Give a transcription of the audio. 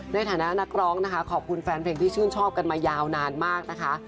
ในฐานะนักร้องนะคะขอบคุณแฟนเพลงที่ชื่นชอบกันมายาวนานมากนะคะ